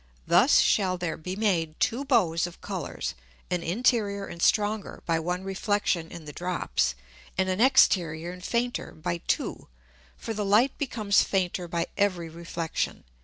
Thus shall there be made two Bows of Colours, an interior and stronger, by one Reflexion in the Drops, and an exterior and fainter by two; for the Light becomes fainter by every Reflexion.